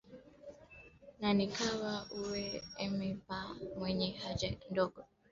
na nikawa ume eme pa kwenye haja ndogo